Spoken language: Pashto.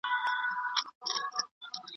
کله باید د خپلو شوقونو لپاره وخت پیدا کړو؟